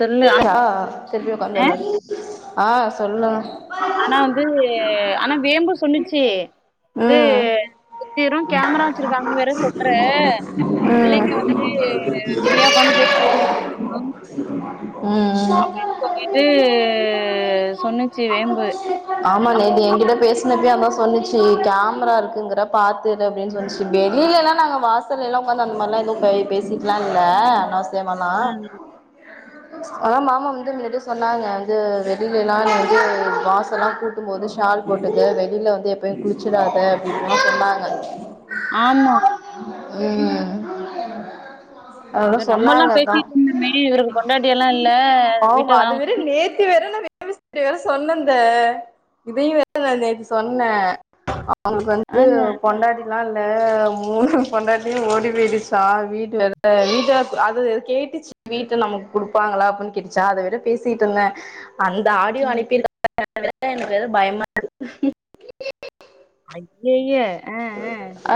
சொல்லு ஆனா அ ஆ சொல்லு ஆனா வந்து ஆனா வேம்பு சொன்னிச்சு வந்து ம் வெறு கேமரா வச்சிருக்காங்கன் வேற சொல்ற ம் பிள்ளைங்க வந்து பிரியா வந்து பேச [inaudible] ம் அப்டின் சொல்லிட்டு சொன்னுச்சு வேம்பு ஆமா நேத்து என்கிட்ட பேசுனப்பே அதா சொன்னுச்சு கேமரா இருக்குங்கற பாத்து இரு அப்டின் சொன்ச்சு வெளிலலா நாங்க வாசல் எல்லா உக்காந்து அந்த மார்லா எது பே பேசிக்லா இல்ல தேவண்ணா ம். ஆனா மாமா வந்து முன்னாடி சொன்னாங்க வந்து வெளிலேலா நீ வந்து வாசல்லா கூ ட்டும் போது ஷால் போட்டுக்க வெளில வந்து எப்பயு குளிச்சிடாத அப்டின்லா சொன்னாங்க ஆமா ம் அதல்லா இது நம்மலாம் சொன்னாங்கதா பேசிட்டு இருந்தோமே இவருக்கு பொண்டாட்டியெல்லாம் இல்ல வீட்ட ஆமா அது வேணா வேற நேத்தி வேற வேற [inaudible] சொன்னந்த இதையு வேற நா நேத்தி சொன்ன அவுங்ளுக் வந்து ஆ து பொண்டாட்டி லா இல்ல மூணு பொண்டாட்டியு ஓடி போயிடுச்சா வீட்டு வேற வீட்டு அது கேட்டுச்சு வீட்ட நமக்கு குடுப்பாங்களா அப்டின்னு கேட்டுச்சா அத வேற பேசிட்டு இருந்தே அந்த ஆடியோ ம். அனுப்பி [inaudible] எனக்கு வேற பயமா இருக்கு ஐய்யேய ஆ அ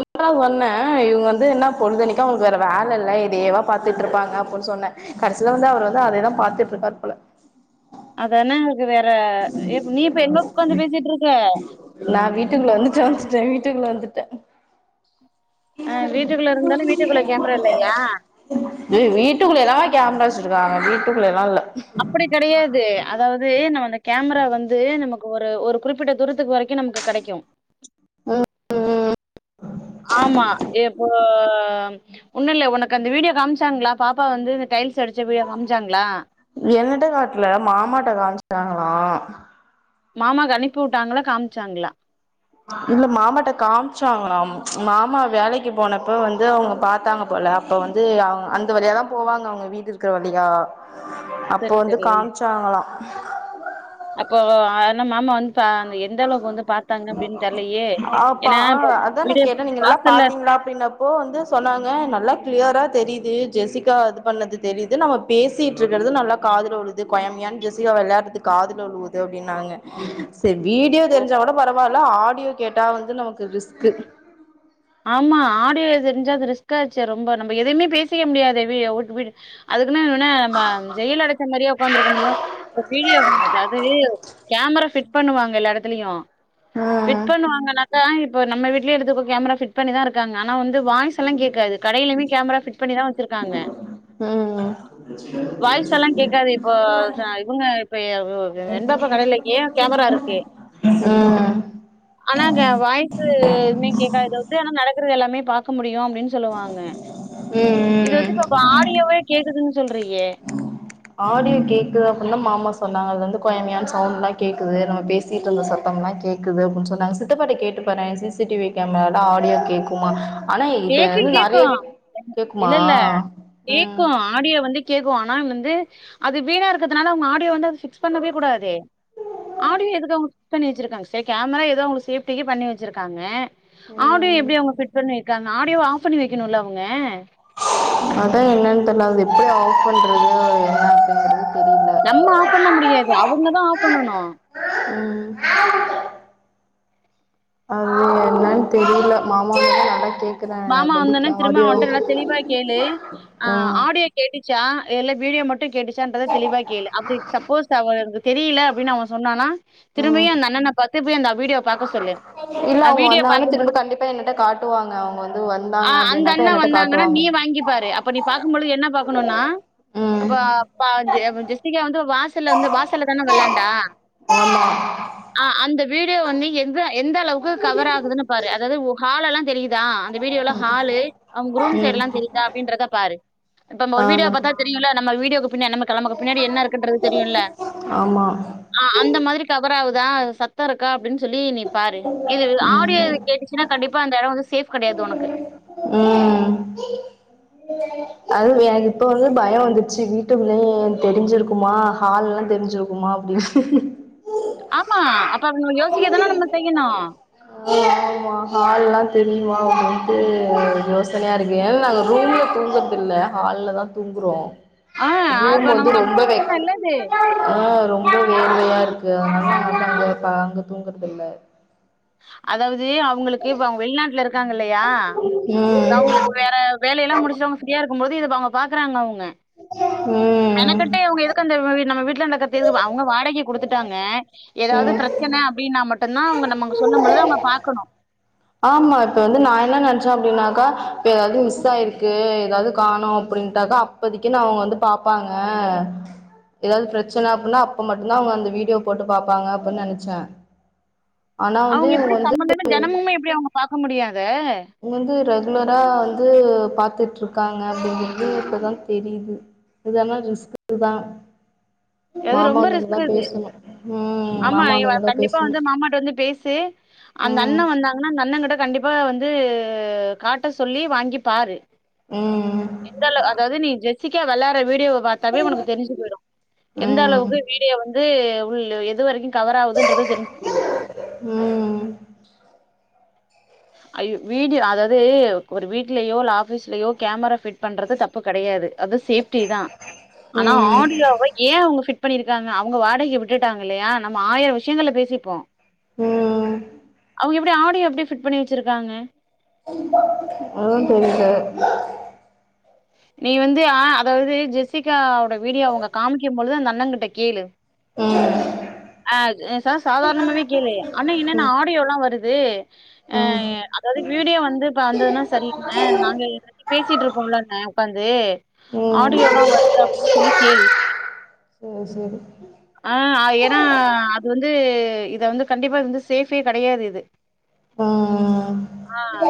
ஒன்ட்டதா சொன்னே இவங்க வந்து என்ன பொழுதேன்னைக்கு அவங்களுக்கு வேற வேலை இல்ல இதயேவா பாத்துட்டு இருப்பாங்க அப்டின்னு சொன்னே கடைசில வந்து அவர் வந்து அதேதா பாத்துட்டு இருக்காரு போல அதானா எனக்கு வேற நீ இப்ப எங்க உக்காந்து பேசிட்டு இருக்க நா வீட்டுக்குள்ள வந்துட்ட வந்துட்ட வீட்டுக்குள்ள வந்துட்ட [unintelligible] அ வீட்டுக்குள்ள இருந்தாலும் வீட்டுக்குள்ள கேமரா இல்லையா? இது வீட்டுக்குள்ள எல்லாமா கேமரா வச்சிருக்காங்க வீட்டுக்குள்ள எல்லா இல்ல அப்படி கடையாது அதாவது நம்ம அந்த கேமரா வந்து நமக்கு ஒரு ஒரு குறிப்பிட்ட தூரத்துக்கு வரைக்கு நமக்கு கடைக்கும் ம், ம் ஆமா எப்போ ஒன்னு இல்ல உனக்கு அந்த வீடியோ காமிச்சாங்களா பாப்பா வந்து இந்த டைல்ஸ் அடிச்ச வீடியோ காமிச்சாங்களா என்னட்ட காட்ல மாமாட்ட காமிச்சக்காங்களா மாமாக்கு அனுப்பி வுட்டாங்களா காமிச்சாங்களா இல்ல மாமாட்ட காமிச்சாங்க மாமா வேலைக்கு போனப்ப வந்து அவங்க பாத்தாங்க போல அப்ப வந்து அவ அந்த போவாங்க அவங்க வீடு இருக்கிற வழியா அப்போ சரி, வந்து சரி. காமிச்சாங்களா அப்போ ஆன மாமா வந் ப்ப அந்த எந்த அளவுக்கு வந்து பாத்தாங்க அப்டின்னு தெரிலையே ஆப்பா ஏன்னா இப்ப வீடியோ வாசல்ல இப்போ வந்து சொன்னாங்க நல்லா கிளியரா தெரியுது ஜெசிகா இது பண்ணது தெரியுது நம்ம பேசிட்டு இருக்கறது நல்லா காதுல விழுது கொயமியன்னு ஜெசிகா விளையாட்றது காதுல வுழுவுது அப்டின்னாங்க சேரி வீடியோ ஓ! தெரிஞ்ச கூட பரவாயில்ல ஆடியோ கேட்டா வந்து நமக்கு ரிஸ்க்கு ஆமா ஆடியோ தெரிஞ்சா அது ரிஸ்காச்சே ரொம்ப நம்ம எதவுமே பேசிக்க முடியாத வீடி வீடு அதுக்குன்னு என்ன நம்ம ஜெயில்ல அடைச்ச மாரியே உக்காந்துருக்க முடியு ஒரு வீடியோ அதாவது கேமரா ஃபிட் பண்ணுவாங்க எல்லா எடத்துலயலையு ஃபிட் ம் பண்ணுவாங்கனாக்கா இப்ப நம்ம வீட்லயே எத்துக்கே கேமரா ஃபிட் பண்ணிதா இருக்காங்க ஆனா வந்து வாய்ஸ் எல்லா கேக்காது கடையிலமே கேமரா ஃபிட் பண்ணிதா வச்சிருக்காங்க ம் வாய்ஸ் எல்லா கேட்காது இப்போ இவங்க இப்ப வெண்பா அப்பா கடையிலயே கேமரா இருக் கு ம் ஆனா க வாய்ஸ் எதுமே கேக்காது தவித் து ஆனா நடக்கறது எல்லாமே பாக்க முடியு அப்டின்னு சொல்லுவாங்க ம், ம் இது வந்து இப்ப வா ஆடியோவே கேக்குதுன்னு சொல்றீயே ஆடியோ கேக்குது அப்டின்னுதா மாமா சொன்னாங்க அது வந்து கொயமியன்னு சவுண்ட்ல்லா கேக்குது நம்ம பே சிட்டு இருந்த சத்தம் எல்லா கேக்குது அப்டின்னு சொன்னாங்க சித்தப்பாட்ட கேட்டுப்பாரு சி சி டி வி கேமரால ஆடியோ கேக்குமா ஆனா இப்ப கேக்கு வந்து கேக்கு நறைய, கேக்குமா இல்ல இல்ல ம் கேக்கு ஆடியோ வந்து கேக்கு ஆனா வந்து அது வீணா இருக்கிறதுனால அவங்க ஆடியோ வந்து அத பிக்ஸ் பண்ணவே கூடாதே ஆடியோ எதுக்கு அவங்க பிக்ஸ் பண்ணி வச்சிருக்காங்க சேரி கேமரா ஏதோ அவங்களுக்கு சேஃப்டிக்கு பண்ணி வச்சிருக்காங்க ஆடியோ ம் எப்டி அவங்க ஃபிட் பண்ணிருக்காங்க ஆடியோவ ஆஃப் பண்ணி வைக்கணும்ல அவங்க அதா என்னன் தெர்ல அது எப்டி ஆஃப் பண்றது என்ன அப்டிங்கறது தெரில நம்ம ஆஃப் பண்ண முடியாது அவுங்கதா ஆஃப் பண்ணனு ம் அது என்னன் தெரியல மாமா வந்தாருன கேக் மாமா வந்தனோ திரும்ப அவன்ட்ட நல்லா தெளிவா கேளு ஆ ஆடியோ கேட்டுச்சா எல்ல வீடியோ மட்டு கேட்டுச்சான்றத தெளிவா கேளு அப்டி சப்போஸ் அவரு எனக்கு தெரியல அப்டின் அவ சொன்னானா திரும்பயு ம் அந்த அண்ணன பத்துப்பி அந்த வீடியோவ பாக்க சொல்லு அவ்வீடியோ பாக்கும்போ ப்ப என்னட காட்டுவாங்க அவுங்க வந் ஆ அந்த அண்ணா வந்தாங்கனா நீ வாங்கிப்பாரு அப்ப நீ பாக்கும்பொழுது என்ன பாக்கணுனா ம் அப்ப பாவ்சே அப்ப ஜெஸ்பிகா வந்து வாசல்ல வந்து வாசல்ல தான வெளாண்டா ஆ அந்த வீடியோ வந்து எந்த எந்த அளவுக்கு கவர் ஆகுதுனு பாரு அதாவ்து ஒ ஹாலலா தெரியிதா அந்த வீடியோல‌ ஹாலு அவுங் ரூம் ம் சைட்ல்லா தெரிதா அப்டின்றத பாரு இப் நம்ம ஆ ஒரு வீடியோ பாத்த தெ ரியுல நம்ம வீடியோக்கு பின்ன நம்ம கிழமக்கு பின்னாடி என்ன இர்க்கூன்றது தெரியுல ஆமா ஆ அந்த மாதிரி கபராவுதா சத் தருக்கா அப்டின் சொல்லி நீ பாரு இது ம் ஆடியோ கேட்டுச்சுன்னா கண்டிப்பா அந்தட வந்து சேஃப் கெடையாது ஒனக்கு ம் அது என்க் இப்ப வந்து பய வந்துச்சு வீட்டுக்குள்ளயே தெரிஞ்சிருக்குமா ஹால்லா தெரிஞ்சிருக் குமா அப்டி ஆமா அப்ப அவனுகள யோசிக்கதனா நம்ப செய்யணு குமா ஹால்லா தெரியுமா அப்டின்ட்டு யோசனையா இருக்கு ஏனா நாங்க ரூமுல தூங்கற்தில்ல ஹால்ல தா தூங்குறோ ஆ ரூம் அப்ப வந்து நமக்கு அது ரொம்ப வெக் பிரச்சன இல்ல. ம் ரொம்ப வேர்வையா இருக்கு அதனால் ப அங்க தூங்கற்தில்ல அதாவது அவுங்களுக்கு இப்ப அவுங்க வெள்நாட்ல இருக்காங்க இல்லையா ம் அவுங்களுக்கு வேற வேலைலா முடிச்சிட்டு அவுங்க ஃபிரியா இருக்கும் போது இது இப்ப அவுங்க பாக்றாங்க அவுங் ம் மெனகெட்டு இவுங்க எதுக்கு அந்த நம்ம வீட்ல நடக்க தெது அவுங்க வாடகை குடுத்துட்டாங்க எதாவ்து ம் பிரச்சன அப்டினா மட்டுந்தா அவுங்க நம்ம சொன்னம்பொழுது அவுங்க பாக்கணு ஆமா இப்ப வந்து நா என்ன நென்ச்ச அப்டின்னாக்கா இப்ப ஏதாவ்து மிஸ் ஆயிருக்கு ஏதாவ்து காணோ அப்டின்ட்டாக்கா இப்போதிக்குனா அவுங்க வந்து பாப்பாங்க எதாது பிரச்சன அப்பனா அப்ப மட்டுந்தா அவுங்க அந்த வீடியோ போட்டு பாப்பாங்க அப்டின் நெனச்சே ஆனா வந்து அவுங்க இவுங்க எப்டி வந்து சம்பந்தமே தெனமுமே எப்டி அவுங்க பாக்க முடியு அத இங்க வந்து ரெகுலரா வந்து பாத்துட்ருக்காங்க அப்டிங்கறது இப்பதா தெரியிது இத் தான ரிஸ்கு தா எது மாமா ரொம்ப வந்தோனதா ரிஸ்கிது பேசணு ம் ஆமா மாமா இவ வந்தோனதா கண்டிப்பா பேசணு வந்து மாமாட்ட வந்து பேசு அந்த ம் அண்ணன் வந்தாங்கன்னா அந்த அண்ணகிட்ட கண்டிப்பா வந்து காட்ட சொல்லி வாங்கி பாரு ம் எந்தளவு அதாவ்து நீ ஜெஸ்ஸிக்கா வெளாற வீடியோவ பாத்தாவே உனக்கு தெரிஞ்சு போய் எந்த ம் அளவுக்கு வீடியோ வந்து உள் எது வரைக்கு கவர் ஆவுதுன்றது தெரிஞ்சுக்கிருலா ம் ஐயோ வீடியோ அதாவது ஒரு வீட்லயோ இல்ல ஆஃபீஸ்லயோ கேமரா ஃபிட் பண்றது தப்பு கெடையாது அது சேப்டி தா ஆனா ம் ஆடியோவை ஏ அவுங்க பிட் பண்ணியிருக்காங்க அவுங்க வாடகை விட்டுட்டாங்க இல்லையா நம்ம ஆயிர விஷயங்கள்ல பேசிப்போ ம் அவுங்க எப்டி ஆடியோ எப்டி பிட் பண்ணி வச்சிருக்காங்க ஆ தோழி சேரி நீ வந்து அ அதாவது ஜெசிகாவோட வீடியோ அவுங்க காமிக்கும்பொழுது அந்த அண்ணங்கிட்ட கேளு ம் அது ச சாதாரணமாவே கேளு அண்ணே என்னண்ணா ம் ஆடியோ எல்லா வருது ம் அ ம் அதாவது வீடியோ வந்து இப்ப வந்ததுன்னா சரிண்ணே நாங்க பேசிட்ருப்போம்லண்ண உக்காந்து ஆடியோல்லா வருது அப்டின்னு சொல்லி கேளு ஆ சேரி ஆ அ ஏன்னா சேரி அது வந்து இத வந்து கண்டிப்பா இது வந்து சேஃபே கிடையாது இது ம்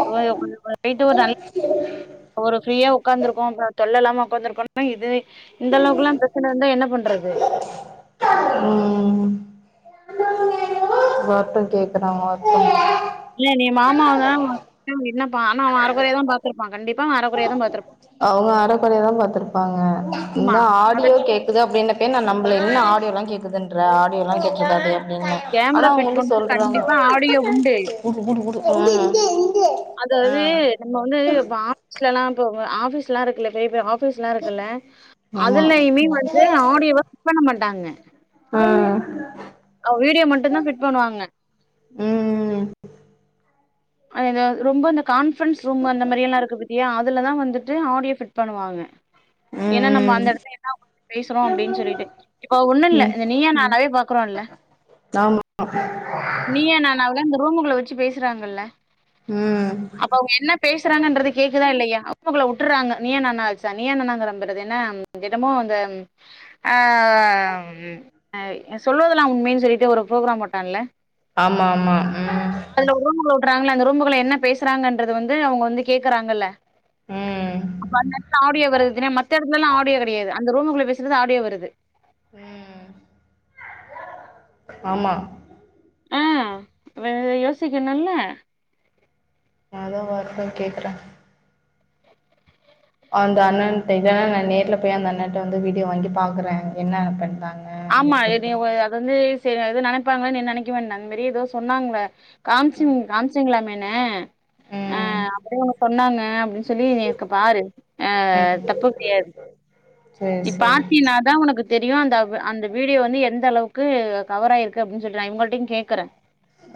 அ வட்டு [inaudible] ஒரு ஃப்ரீயா உக்காருக்கு அ தொல்ல இல்லாம உக்காந்துருக்கணும்னா இதுவு இந்தளவுக்குல்லாம் பிரச்சனருந்தா என்ன பண்றது ம் எல்லார்க்கும்‌ கேக்குற மாதிரி இல்ல நீ மாமாவ தா என்னப்பா ஆனா அவெ அரக்குறையா தா பாத்துருப்பா கண்டிப்பா அரக்குறைய தா பாத்துருப்பா அவங்க அரகுறையாதா பாத்துருப்பாங்க ஆமா இந்தா அது ஆடியோ கேக் குது அப்டினப்பயே நம்பல என்ன ஆடியோலா கேக்குதுன்றா ஆடியோலா கேட்றுக்காது கேமரா ஆனா அவுங்க ஃபிட் வந்து பண்ணது சொல்றாங்க கண்டிப்பா ஆடியோ உண்டு ம் அதாவது நம்ம வந்து இப்ப ஆபீஸ்ல்லா இருக்குல்ல பெரிய பெரிய ஆபி ஸுலாம் இருக்குல்ல ஆமா அதுலயுமே வந்து ஆடியோ பிட் பண்ண மாட்டாங்க ம் அவ வீடியோ மட்டுந்தா ஃபிட் பண்ணுவாங்க ம் இந்த ரொம்ப அந்த கான்ஃபரன்ஸ் ரூம் அந்த மாதிரி எல்லா இருக்கு பத்தியா அதுலதா வந்துட்டு ஆடியோ ஃபிட் பண்ணுவாங்க ஏன்னா நம்ம அந்த ம் இடத்துல எதாது பத்தி பேசுறோம் அப்டின்னு சொல்லிட்டு இப்ப ஒன்னு இல்ல ம் ம் இந்த நீயா நானாவே பாக்குறோம்ல்ல ஆமா நீயா நானேல இந்த ரூமுக்குள்ள வச்சி பேசுறாங்கல ம் அப்ப அவுங்க என்ன பேசுறாங்கன்றது கேக்குதா இல்லயா ரூமுக்குள்ள வுட்டுறாங்க நீயா நானா ஆச்சா நீயா நானாங்றேன்பாறு என்ன தினமும் அந்த அ ம் அ சொல்லவதெல்லாம் உண்மைன்னு சொல்லிட்டு ஒரு ப்ரோக்ராம் போட்டான்ல ஆமா ஆமா ம் ஒரு ரூமுகுள்ள வுட்டுறாங்க அந்த ரூமுகுள்ள என்ன பேசுறாங்கன்றது வந்து அவுங்க வந்து கேக்குறாங்கல்ல ம் அப்ப அந்த இடத்து ஆடியோ வருதுன்னா மத்த இடத்துலலா ஆடியோ கெடையாது அந்த ரூமுக்குள்ள பேசுறது ஆடியோ வருது ம் ஆமா ஆ அவ அத யோசிக்கணுல [unintelligible] கேக்குறே அந்த அண்ணன்ட்டா நா நேர்ல போய் அந்த அண்ணன்ட்ட வந்து வீடியோ வாங்கி பாக்குறேங்க என்ன பண்றாங்க ஆமா அப்டின்னு எது சொல்ட்டு அத வந்து சேரி எது நெனைப்பாங்களேன்னு நீ நெனைக்குவே அந்த மாரி ஏதோ சொன்னாங்க ராம்சிங் ராம்சிங்களாமேனு ஆ ம் அப்டியே அவுங்க சொன்னாங்க அப்டின்னு சொல்லி நீ பாரு அ தப்பு ம் கெடையாது சேரி நீ சேரி பாத்தினாதா உனக்கு தெரியு அந்த அந்த வீடியோ வந்து எந்த அளவுக்கு கவர் ஆயிருக்கு அப்டின்னு சொல்லிட்டு நா இவங்கட்டயு கேக்குறே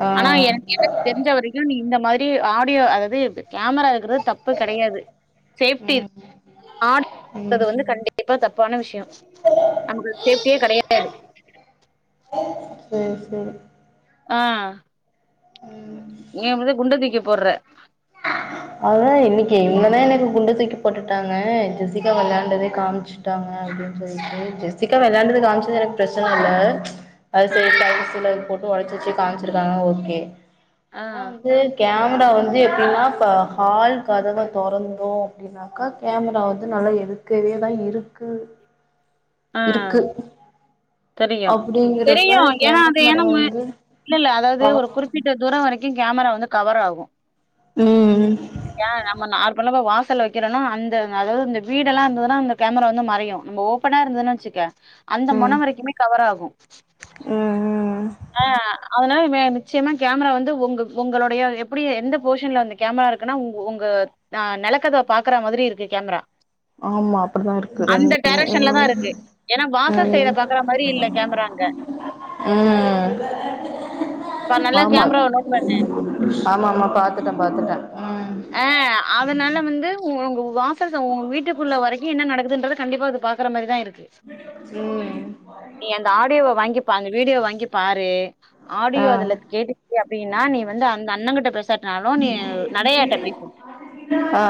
ஆ ஆனா எனக்கு எனக்கு தெரிஞ்ச வரைக்கு நீ இந்த மாதிரி ஆ டியோ அதாது கேமரா இருக்கிறது தப்பு கெடையாது சேஃப்டி ம் ஆனா ஆடியோட இருக்கது ம் வந்து கண்டிப் தப்பான விஷ்யோ நமக்கு சேஃப்டியே கடயாது சேர் சேரி ஆ நீ அப்டிதா குண்டத்தூக்கி போட்ற அதா இன்னிக்கி இன்னதா எனக்கு குண்டு தூக்கி போட்டுட்டாங்க ஜெசிகா வெளயாண்டதே காம்ச்சு ட்டாங்க அப்டின் சொல்லிட்டு ஜெசிக்கா வெளயாண்டது காம்ச்சது எனக்கு ப்ரச்சன இல்ல அது ஆ சில [unintelligible] சில போட்டு ஒடச்சிர்ச்சு காம்ச்சிருக்காங்க ஓக்கே ஆ ஆனா வந்து கேமரா வந்து எப்டின்னா இப்ப ஹால் கதவ தொறந்தோ அப்டின்னா அக்கா கேமரா வந்து நல்லா எதுர்க்கவேதா இருக்கு ஆ இருக்கு தெரியு தெரியு அப்டிங்கிறப்ப ஏனா அதயே கேமரா நம்ம வந்து இல்லல்ல அதாவுது ஆ ஒரு குறிப் பிட்ட தூரோ வரைக்கு கேமரா வந்து கவர் ஆகும் ம் ஏ நம்ம நார்மலா போ வாசல்ல வெக்கிறனு அந்த அதாவ்து இந்த வீடெல்லா இர்ந்துதுன்னா அந்த கேமரா வந்து மறையு நம்போ ஓப் ப்பனா இருந்துதுன் வெச்சுக்க அந்த மொன ம் வரைக்குமே கவர் ஆகும் ம் ம் ஆ அதனால மே நிச்சயமா கேமரா வந்து ஒங்க ஒங்களடய எப்புடி எந்த போஷன்ல வந்துக் கேமரா இருக்குன்னா உங் உங்க நெலக்கதவ பாக்குற மாதிரி இருக்கு கேமரா ஆமா அப்டிதா இருக்கு அந்த ரெண்டுமே டேரக்க்ஷன்ல தா ம் இருக்கு ஏனா வாசல் சைட ம் பாக்கற மாரி இல்ல கேமராங்க ம் இப்ப நல்லா ஆமா கேமராவ நோட் பண்ணு ஆமா ஆமா பாத்துட்ட பாத்துட்ட ஆ அதனால வந்து உங்க வாசல்ல உங்க வீட்டுக்குள்ள வரைக்கு என்ன நடக்குதுன்றத கண்டிப்பா அது பாக்குற மாரிதா இருக்கு நீ [unintelligible] அந்த ஆடியோவ வாங்கிப்பாரு அந்த வீடியோ வாங்கி பாரு ஆடியோ ஆ அதுல கேட்டுச் அப்டின்னா நீ வந்து அந்த அண்ணங்கிட்ட பேசாட்டினாலு நீ நடயாட்ட ஆ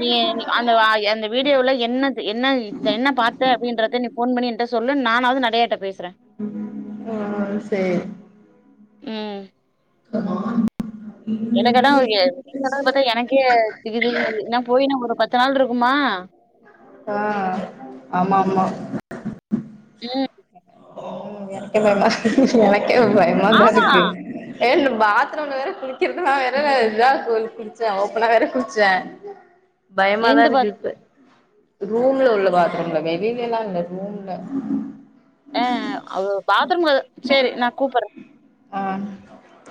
நீ அந்த ஆ அந்த வீடியோவுல என்னத் என்ன இத்த என்ன பாத்த அப்டின்றத நீ ஃபோன் பண்ணி என்ட்ட சொல்லு நானாவுது நடயாட்ட பேசுறே ஆ ஆ சேரி ம் எனக்கல்லா [unintelligible] நீ சொல்றது பாத்தா எனக்கே திகு திகுன் இருக்கு போய்னா ஒரு பத்து நாள்ருக்குமா ஆ ஆமா ஆமா ம் எனக்கென்னனா எனக்கே பயமாதா ஆமா இருக்கு ஏ இந்த பாத்ரூம்ல வேற குளிக்றதுலா வேற இதா கு குள்ச்சே ஓப்பனா வேற குள்ச்சே பயமாதா எந்த இருக்கு பாத் இப்ப ரூம்ல உள்ள பாத்ரும்ல வெளிலலா இல்ல ரூம்ல ஆ அவுரு ஒரு பாத்ரும் கதுவ சேரி நா கூப்பட்ற ஆ